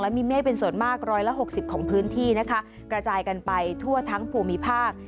มีเมฆเป็นส่วนมากร้อยละหกสิบของพื้นที่นะคะกระจายกันไปทั่วทั้งภูมิภาค